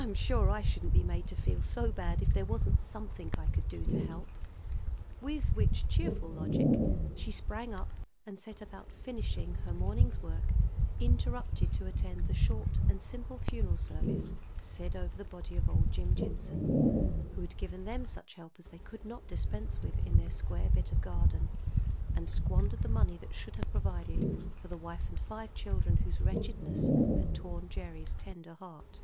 I'm sure I shouldn't be made to feel so bad if there wasn't something I could do to help." With which cheerful logic she sprang up and set about finishing her morning's work, interrupted to attend the short and simple funeral service said over the body of "old Jim Jimson," who had given them such help as they could not dispense with in their square bit of garden, and squandered the money that should have provided for the wife and five children whose wretchedness had torn Gerry's tender heart.